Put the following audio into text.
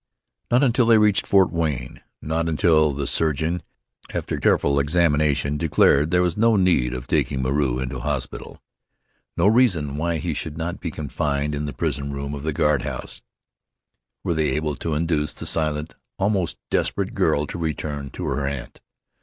Not until they reached Fort Frayne; not until the surgeon, after careful examination, declared there was no need of taking Moreau into hospital, no reason why he should not be confined in the prison room of the guard house, were they able to induce the silent, almost desperate girl to return to her aunt.